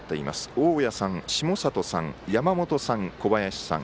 大屋さん、下里さん山本さん、小林さん。